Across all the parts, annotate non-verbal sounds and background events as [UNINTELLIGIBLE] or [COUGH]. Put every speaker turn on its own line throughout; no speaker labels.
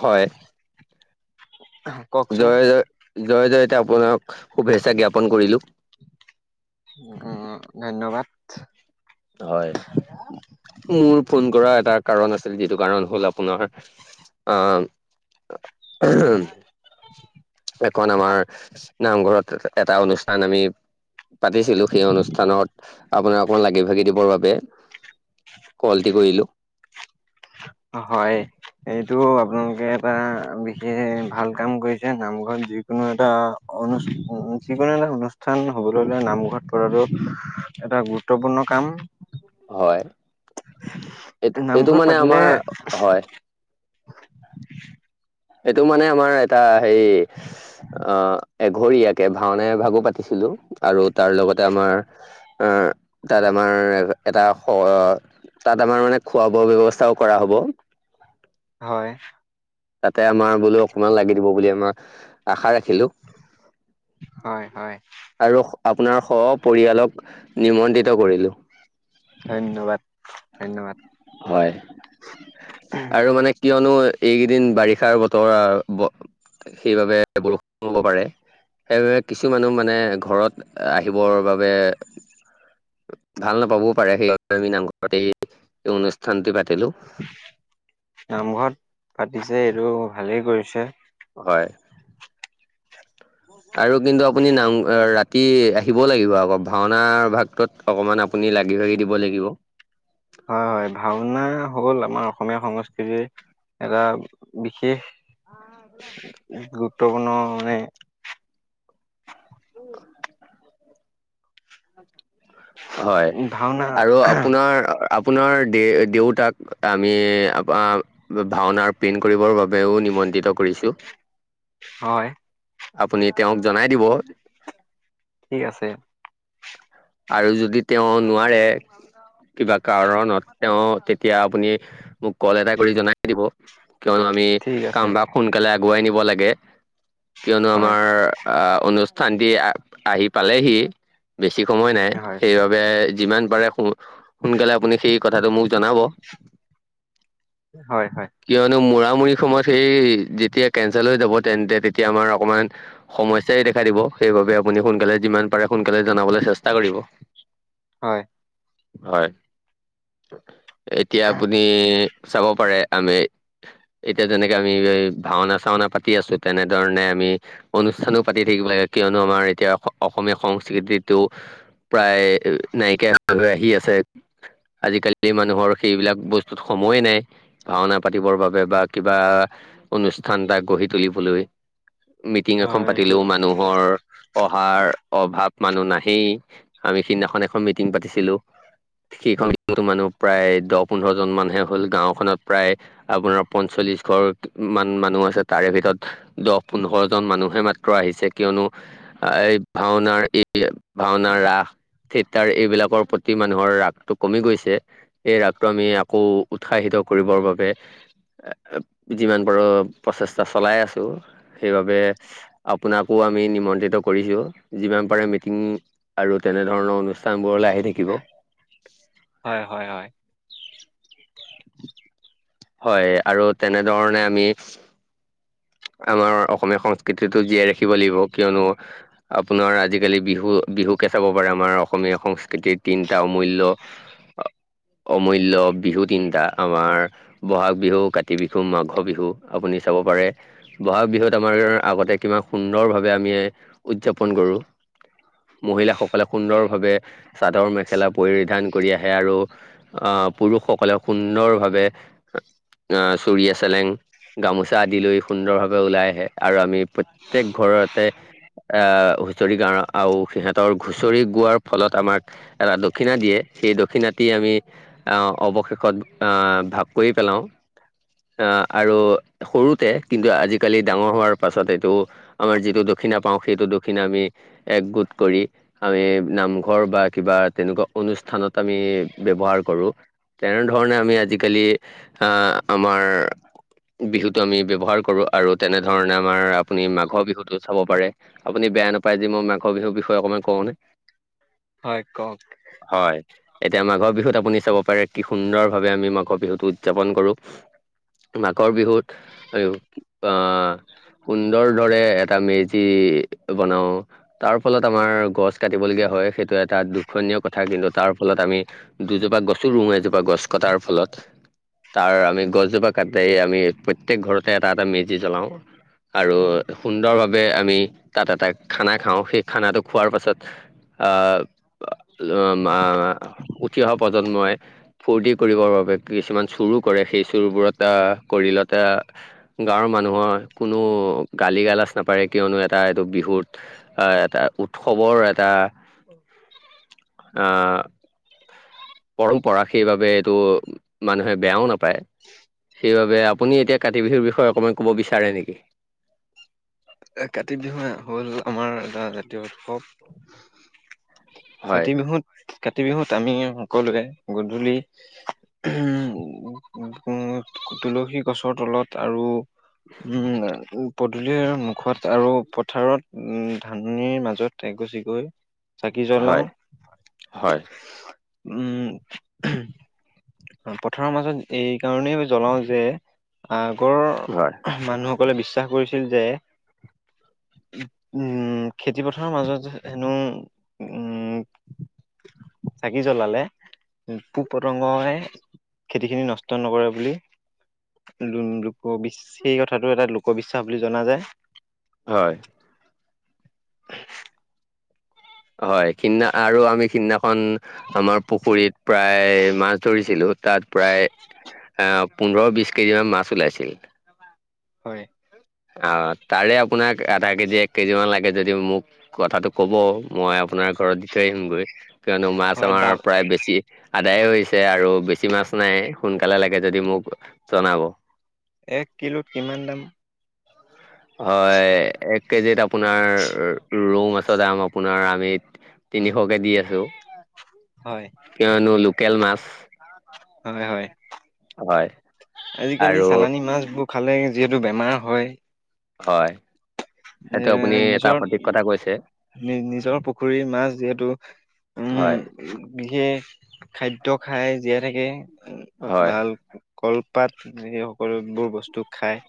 হয়।
[UNINTELLIGIBLE]
জয়, জয়, জয় জয়তে, আপোনাক শুভেচ্ছা জ্ঞাপন কৰিলো।
উম, উম, ধন্যবাদ।
হয়। মোৰ ফোন কৰা এটা কাৰণ আছিল, যিটো কাৰণ হ'ল আপোনাৰ আহ উম। [INAUDIBLE] খন আমাৰ, নামঘৰত এ এটা অনুষ্ঠান আমি পাতিছিলো, সেই অনুষ্ঠানত, আপোনাক অকমান লাগি ভাগি দিবৰ বাবে কলটি কৰিলোঁ।
হয়। এইটো আপোনালোকে এটা, বিশেষ ভাল কাম কৰিছে, নামঘৰত যি কোনো এটা, অনুছ, উ যিকোনো এটা অনুষ্ঠান হ'বলৈ নামঘৰত পতাতো, এটা গুৰু ত্বপূৰ্ণ কাম
হয়, এইটো, এইটো
নামঘৰত
মানে
পাতিলে
আমাৰ, হয়। এইটো মানে আমাৰ এটা হেই আহ, এঘৰীয়াকে, ভাওনা এভাগো পাতিছিলো, আৰু তাৰ লগতে আমাৰ অ', তাত আমাৰ এ এটা, হ তাত আমাৰ মানে, খোৱা বোৱা ব্যৱস্থাও কৰা হ'ব।
হয়।
তাতে আমাৰ বোলো, অকমান লাগি দিব বুলি আমাৰ, আশা ৰাখিলো।
হয়, হয়।
আৰুহ আপোনাৰ সপৰিয়ালক, নিমন্ত্ৰিত কৰিলো।
ধন্যবাদ, ধন্যবাদ।
হয়। আৰু মানে কিয়নো এই দিন বাৰিষাৰ বতৰ আ ব সেইবাবে বৰষুণ হ'ব পাৰে সেইবাবে কিছুমানুহ মানে ঘৰত আহিবৰ বাবে- ভাল নাপাবও পাৰে সেইাবে আমি নামঘৰত এই অনুষ্ঠানট পাতিলো।
নামঘৰত পাতিছে এইটো ভালেই কৰিছে।
হয়। আৰু কিন্তু আপুনি নামঘৰত ৰাতি আহিব লাগিব আকৌ ভাওনা ভাগটোত- অকণমান আপুনি লাগি-ভাগি দিব লাগিব।
হয়-হয়, ভাওনা হ'ল আমাৰ অসমীয়া সংস্কৃতিৰ- এটা বিশেষ
[UNINTELLIGIBLE]
গুৰুত্বপূৰ্ণ মানে-
উম। হয়,
ভাওনা
আৰু আপোনাৰ- আপোনাৰ দে-দেউতাক আমি আঁহ', - ভাওনাৰ প্ৰিন্ট কৰিবৰ বাবেও নিমন্ত্ৰিত কৰিছো।
হয়।
আপুনি তেওঁক জনাই দিব।
ঠিক আছে।
আৰু যদি তেওঁ নোৱাৰে- কিবা কাৰণত তেওঁ তেতিয়া আপুনি মোক কল এটা কৰি জনাই- দিব, কিয়নো আমি
ঠিক আছে
কামভাক সোনকালে আগুৱাই নিব লাগে। কিয়নো
হয়
আমাৰ আঁহ', অনুষ্ঠানটি আহি পালেহি, বেছি- সময় নাই,
হয়,
সেইবাবে যিমান পাৰে সোনকালে আপুনি সেই কথাটো মোক জনাব।
হয়-হয়।
কিয়নো মৰামৰি সময়ত সেই যেতিয়া কেঞ্চেল হৈ যাব তেন্তে তেতিয়া আমাৰ অকণমান- সমস্যাই দেখা দিব, সেইবাবে আপুনি সোনকালে যিমান পাৰে সোনকালে জনাবলৈ চেষ্টা কৰিব।
হয়।
হয়। এতিয়া আপুনি- চাব পাৰে আমি- এতিয়া যেনেকে আমি এই ভাওনা-চাওনা পাতি আছো, তেনেধৰণে আমি- অনুষ্ঠানো পাতি থাকিব লাগে। কিয়নো আমাৰ এতিয়া অসমীয়া সংস্কৃতিটো- প্ৰায় নাইকিয়া হৈ-হৈ আহি আছে। আজিকালিতো মানুহৰ সেইবিলাক বস্তুত সময়ে নাই। ভাওনা পাতিবৰ বাবে বা কিবা অনুষ্ঠান ভাক গঢ়ি তুলিবলৈ। মিটিং এখন
হয়, এইটো
পাতিলেও মানুহৰ অহাৰ অভাৱ মানুহ নাই। সেই আমি সিদিনাখন এখন মিটিং পাতিছিলো। সেইখনো মানুহ প্ৰায় দহ-পোন্ধৰ জন মানহে হ'ল। গাঁওখনত প্ৰায়- আপোনাৰ পঞ্চল্লিশ ঘৰ মান মানুহ আছে তাৰে ভিতৰত- দহ, পোন্ধৰ জন মানুহে মাত্ৰ আহিছে, কিয়নো আঁহ' এই ভাওনাৰ এই- ভাওনাৰ ৰাস, থিয়েটাৰ এইবিলাকৰ মানুহৰ ৰাসটো কমি গৈছে। এই ৰাসটো আমি আকৌ উৎসাহিত কৰিবৰ বাবে এ যিমান পাৰো- প্ৰচেষ্টা চলাই আছো। সেইবাবে- আপোনাকো আমি নিমন্ত্ৰিত কৰিছো, যিমান পাৰে মিটিং আৰু তেনেধৰণৰ অনুষ্ঠান- নামঘৰলৈ আহি থাকিব।
হয়-হয়-হয়।
হয়। আৰু তেনেধৰণে আমি- আমাৰ অসমীয়া সংস্কৃতিতটো জীয়াই ৰাখিব লাগিব কিয়নো- আপোনাৰ আজিকালি বিহু বিহুকে চাব পাৰে আমাৰ অসমীয়া সংস্কৃতিৰ তিনিটা অমূল্য অমূল্য বিহু তিনিটা আমাৰ- বহাগ বিহু কাতি বিহু মাঘ বিহু আপুনি চাব পাৰে। ব'হাগ বিহুত আমাৰ আগতে কিমান সুন্দৰভাৱে আমি উদযাপন কৰোঁ। মহিলাসকলে সুন্দৰভাৱে চাদৰ মেখেলা পৰিধান কৰি আহে আৰু- আহ পুৰুষসকলে সুন্দৰ ভাৱে- অঁ চুৰিয়া চেলেং গামোচা আদি লৈ- সুন্দৰভাৱে উলাই আহে আৰু আমি প্ৰত্যেক ঘৰতে- আহ হুঁচৰি গাঁ আৰু সিহঁতৰ হুঁচৰি গোৱাৰ ফলত আমাক এটা দক্ষিণা দিয়ে সেই দক্ষিণাটি আমি- আ অৱশেষত আহ ভাগ কৰি পেলাওঁ। আহ আৰু সৰুতে- কিন্তু আজিকালি ডাঙৰ হোৱাৰ পাছত এইটো আমাৰ যিটো দক্ষিণা পাওঁ সেইটো দক্ষিণা আমি একগোট কৰি- আমি নামঘৰ বা কিবা তেনেকুৱা অনুষ্ঠানত আমি ব্যৱহাৰ কৰোঁ। তেনেধৰণে আমি আজিকালি আহ আমাৰ বিহুতো আমি ব্যৱহাৰ- কৰো আৰু তেনে ধৰণে আমাৰ আপুনি মাঘৰ বিহুতো চাব পাৰে আপুনি বেয়া না- পাই যদি মই মাঘৰ বিহুৰ বিষয়ে অকমান কওঁনে
হয়, কওক।
হয়ঁ। এতিয়া মাঘৰ বিহুত আপুনি চাব পাৰে কি সুন্দৰ ভাৱে আমি মাঘৰ বিহুতটো উদযাপন কৰোঁ। মাঘৰ বিহুত আৰু আহ- সুন্দৰ দৰে এটা মেজি বনাওঁ তাৰ ফলত আমাৰ গছ- কাটিবলগীয়া হয় সেইটো এটা দুখ- সণীয় কথা কিন্তু তাৰ ফলত আমি দুজোপা গছো ৰুওঁ এজোপা গছ কটাৰ ফলত। তাৰ আমি গছজোপা কাটি আমি প্ৰত্যেক ঘৰতে এটা এটা মেজি জ্বলাওঁ আৰু- সুন্দৰভাৱে আমি তাত এটা খানা খাওঁ সেই খানাটো খোৱাৰ পাছত- আ উ মা উঠি অহা প্ৰজন্মই- ফূৰ্তি কৰিবৰ বাবে কিছুমান চোৰো কৰে সেই চোৰবোৰত আহ কৰিলত- গাঁৱৰ মানুহৰ কোনো গালি গালাজ নাপাৰে কিয়নো এটা এইটো বিহুত- আহ এটা উৎসৱৰ এটা আহ- পৰম্পৰা সেইবাবে এইটো মানুহে বেয়াও নাপায় সেইবাবে আপুনি এতিয়া কাতি বিহুৰ বিষয়ে অকণমান ক'ব বিচাৰে নেকি?
কাতি বিহু হল আমাৰ এটা জাতীয় উৎসৱ।
হয়
কাতি বিহুত কাতি বিহুত আমি সকলোৱে গধূলি- ওহোম উমঁ উমঁ তুলসী গছৰ তলত আৰু। উমঁ পদূলি মূ- ঘৰত আৰু পথাৰত উমঁ ধানিৰ মাজত এগছিকৈ - চাকি জ্বলাওঁ-
হয় হয়
উমঁ ওহোঁ পথ- পথাৰৰ মাজত এইকাৰণেই জ্বলাওঁ যে
হয়
আগৰ- মানুহসকলে বিশ্বাস কৰিছিল যে- উমঁ খেতি পথাৰৰ মাজত হেনো উমঁ -
[UNINTELLIGIBLE]
চাকি জ্বলালে পোক পতংগ হে- খেতিখিনি নষ্ট নকৰে বুলি- লো লোকবিশ্ সেই কথাটো এটা লোকবিশ্বাস বুলি জনা যায়
হয়
[UNINTELLIGIBLE]
হয় সিদিনা আৰু আমি সিদিনাখন আমাৰ পুখুৰীত প্ৰায় মাছ ধৰিছিলো তাত প্ৰায় এ পোন্ধৰ বিশ কেজি মান মাছ ওলাইছিল।
হয়
অ তাৰে আপোনাক আধা কেজি এক কেজি মান লাগে যদি মোক কথাটো ক'ব মই আপোনাৰ ঘৰত দি থৈ আহিমগৈ কিয়নো মাছ
হয়
আমাৰ
দাম
প্ৰায় বেছি আদায় হৈছে আৰু বেছি মাছ নাই সোনকালে লাগে যদি মোক জনাব।
এক কিলোত কিমান দাম।
হয় এক কেজিত আপোনাৰ ৰৌমাছৰ দাম আপোনাৰ আমিত তিনিশ কে দি আছো
হয়
কিয়নো লোকেল মাছ
হয় হয়
হয়
আজিকালি
আৰু
চালানী মাছ বোৰ খালে যিহেতু বেমাৰ হয়
হয়।
এ
সেইটো আপুনি এটা
নিজৰ
সঠিক কথা কৈছে
নি নিজৰ পুখুৰী মাছ যিহেতু
হয়
উম বিশেষ খাদ্য খাই জীয়াই থাকে উ
হয়
ভাল কলপাত এনেকে সকলোবোৰ বস্তু খায়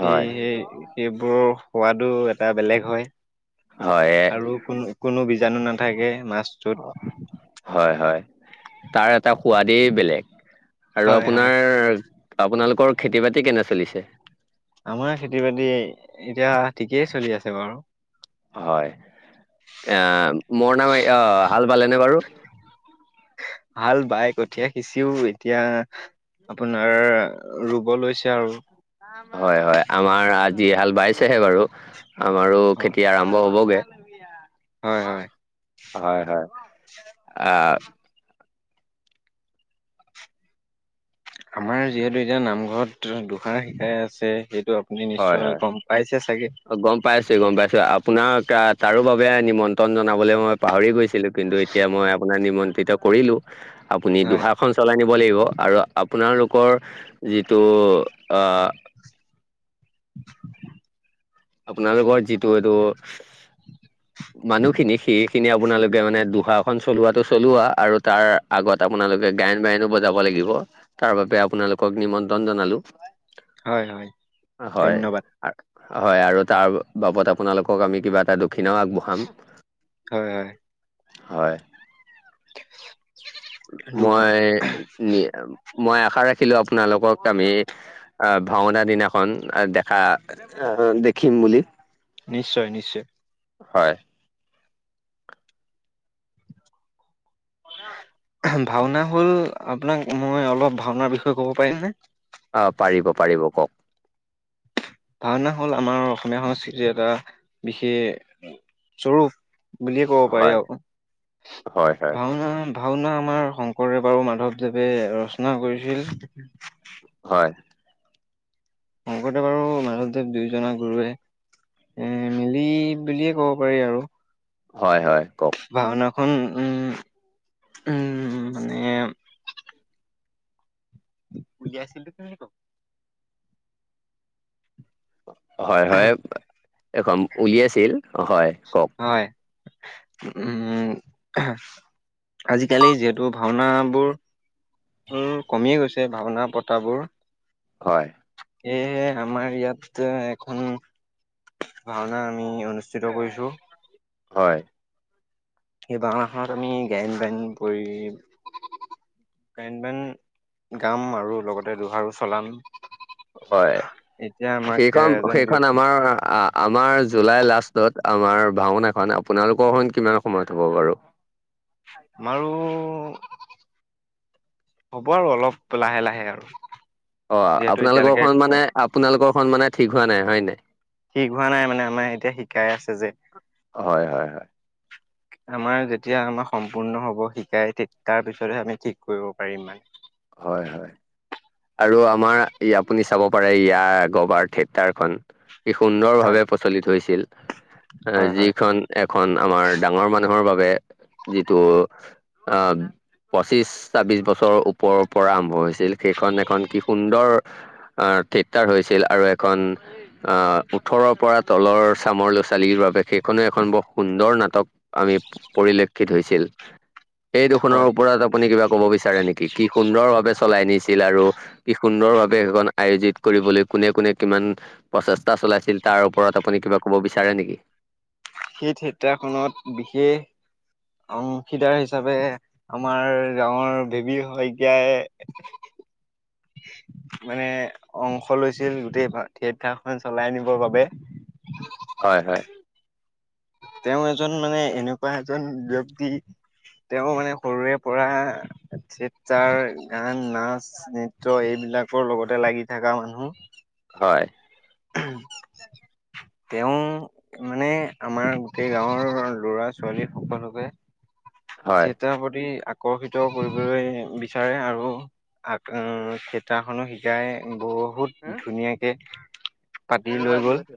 সে
হয়
সেই সেইবোৰৰ সোৱাদো এটা বেলেগ হয়।
হয় এ-
আৰু কোনো কোনো বীজাণু নাথাকে মাছটোত
হয় হয় তাৰ এটা সোৱাদেই বেলেগ আৰু
হয় হয়
আপোনাৰ আপোনালোকৰ খেতি বাতি কেনে চলিছে।
আমাৰ খেতি বাতি এতিয়া ঠিকেই চলি আছে বাৰু।
হয় এ আ মৰণা মাই আ হাল বালেনে বাৰু
হাল বাই কঠীয়া সিঁচিও এতিয়া আপোনাৰ ৰুব লৈছে আৰু
আমাৰ হয় হয় আমাৰ আজি হাল বাইছেহে বাৰু আমাৰো
হয়
খেতি আৰম্ভ হবগে
হয় হয়
হয় হয় আ
আমাৰ যিহেতু এতিয়া নামঘৰত দুসাৰ শিকাই আছে সেইটো অক আপুনি
হয়
নিশ্চয়
হয়
গম পাইছে চাগে
গম পাইছো গম পাইছো আপোনাক তা তাৰো বাবে নিমন্ত্ৰণ জনাবলে মই পাহৰি গৈছিলো কিন্তু এতিয়া মই আপোনাৰ নিমন্ত্ৰিত কৰিলো আপুনি
হয়
দুহাখন চলাই নিব লাগিব আৰু আপোনালোকৰ যিটো আ
[UNINTELLIGIBLE]
আপোনালোকৰ যিটো এইটো মানুহখিনি সে খিনি আপোনালোকে মানে দুহাখন চলোৱাটো চলোৱা আৰু তাৰ আগত আপোনালোকে গায়ন বায়নো ব বজাব লাগিব তাৰ বাবে আপোনালোকক নিমন্ত্ৰণ জনালো।
হয় হয়
হয়
ধন্যবাদ
আ- হয় আৰু তাৰ বাবদ আপোনালোকক আমি কিবা এটা দক্ষিণাও আগবঢ়াম।
হয় হয়
হয়
দুহা
মই নি মই আশা ৰাখিলো আপোনালোকক আমি আ ভাওনা দিনাখন দেখা দেখিম বুলি
নিশ্চয় নিশ্চয়।
হয়। অ
ভাওনা হ'ল আপোনাক মই অলপ ভাওনাৰ বিষয়ে ক'ব পাৰিমনে।
অ পাৰিব পাৰিব কওঁক।
ভাওনা হ'ল আমাৰ অসমীয়া সংস্কৃতিৰ এটা বিশেষ স্বৰূপ। বুলি ক'ব পাৰি
হয়
আৰু
হয় হয়
ভাওনা। ভাওনা আমাৰ শংকৰদেৱ আৰু মাধৱদেৱে ৰচনা কৰিছিল।
হয়।
শংকৰদেৱ আৰু মাধৱদেৱ দুয়োজনা গুৰুৱে। এ মিলি বুলিয়ে ক'ব পাৰি আৰু।
হয়, হয়, কওঁক।
ভাওনাখন উম, উম মানে [UNINTELLIGIBLE]
হয়, হয়, এখন উলিয়াইছিল হয়। কওক
হয়, উম। আজিকালি যিহেতু ভাওনা বোৰ উম কমিয়ে গৈছে ভাওনা পতাবোৰ
হয়।
এ আমাৰ ইয়াত এখন ভাওনা আমি অনুষ্ঠিত কৰিছো।
হয়।
এই ভাওনাখনত আমি গায়ন-বায়ন কৰি গায়ন বায়ন গাম আৰু লগতে দোহাৰো চলাম।
হয়,
এতিয়া আমাক
সেইখন,
এজন
সেইখন
ব্যক্তি
আমাৰ আমাৰ জুলাই লাষ্টত, আমাৰ ভাওনাখন আপোনালোকৰখন কিমান সময়ত হ'ব বাৰু।
আমাৰো হ'ব আৰু অলপ লাহে লাহে আৰু।
অ',
যিহেতু
আপোনালোকৰ
এতিয়ালৈকে
খন মানে আপোনালোকৰ খন মানে ঠিক হোৱা নাই হয় নাই।
ঠিক হোৱা নাই মানে আমাৰ এতিয়া শিকাই আছে যে।
হয় হয় [INAUDIBLE]
আমাৰ যেতিয়া আমাৰ সম্পূৰ্ণ হ'ব, শিকাই তাৰপিছত হে আমি ঠিক কৰিব পাৰিম মানে।
হয়, হয়। আৰু আমাৰ, এ আপুনি চাব পাৰে ইয়াৰ আগৰবাৰ থিয়েটাৰখন কি সুন্দৰ
হয়
ভাৱে প্ৰচলিত হৈছিল, এ
হয় হয়
যিখন এখন আমাৰ ডাঙৰ মানুহৰ বাবে যিটো অ', পঁচিশ, ছাবিছ বছৰৰ ওপৰৰ পৰা আৰম্ভ হৈছিল সেইখন এখন কি সুন্দৰ অ', থিয়েটাৰ হৈছিল আৰু এখন অ', ওঠৰৰ পৰা তলৰ চামৰ ল'ৰা -ছোৱালীৰ বাবে সেইখনে এখন বৰ সুন্দৰ নাটক। আমি পৰিলক্ষিত হৈছিল। সেই দুখনৰ
হয়
ওপৰত আপুনি কিবা ক'ব বিচাৰে নেকি? কি কি সুন্দৰ ভাৱে চলাই নিছিল আৰু কি সুন্দৰ ভাৱে সেইখন আয়োজিত কৰিবলৈ কোনে কোনে কিমান প্ৰচেষ্টা চলাইছিল তাৰ ওপৰত আপুনি কিবা ক'ব বিচাৰে নেকি?
সেই থিয়েটাৰ খনত বিশেষ অংশীদাৰ হিচাপে আমাৰ গাঁৱৰ নীবিৰ শইকীয়াই
[INAUDIBLE]
মানে অংশ লৈছিল গোটেই থিয়েটাৰখন চলাই নিবৰ বাবে।
হয়, হয়।
তেওঁ এজন মানে এনেকুৱা এজন ব্যক্তি তেওঁ মানে সৰুৰে পৰা থিয়েটাৰ, গান, নাচ নৃত্য এইবিলাকৰ লগতে লাগি থকা মানুহ।
হয়।
[INAUDIBLE] তেওঁ মানে আমাৰ গোটেই গাঁৱৰ লৰা -ছোৱালী সকলোকে
হয়।
থিয়েটাৰ প্ৰতি আকৰ আকৰ্ষিত কৰিবলৈ বিচাৰে, আৰু থিয়েটাৰ খনো শিকাই। গাই বহুত ধুনীয়াকে পাতি
আৰু
লৈ
আগ
গ'ল।